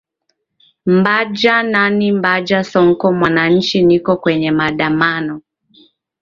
mbaja nani mbaja sonko mwananchi niko kwenye maandamano